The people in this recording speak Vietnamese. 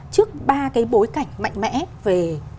trước ba cái bối cảnh mạnh mẽ